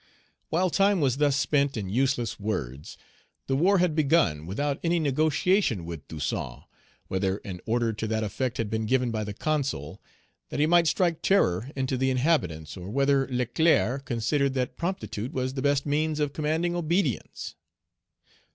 While time was thus spent in useless words, the war had begun without any negotiation with Toussaint, whether an order to that effect had been given by the Consul, that he might strike terror into the inhabitants, or whether Leclerc considered that promptitude was the best means of commanding obedience.